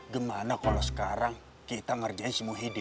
gimana kalau sekarang kita ngerjain si muhyiddin